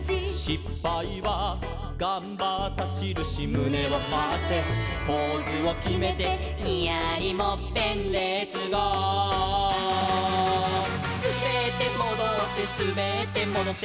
「しっぱいはがんばったしるし」「むねをはってポーズをきめて」「ニヤリもっぺんレッツゴー！」「すべってもどってすべってもどって」